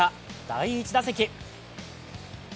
第１打席。